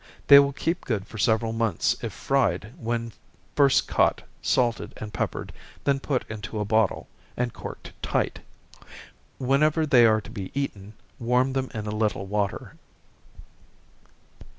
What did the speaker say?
They will keep good for several months if fried when first caught, salted and peppered, then put into a bottle, and corked tight. Whenever they are to be eaten, warm them in a little water.